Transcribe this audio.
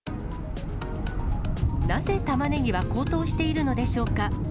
なぜタマネギは高騰しているのでしょうか。